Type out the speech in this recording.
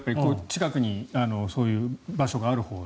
近くにそういう場所があるほうが。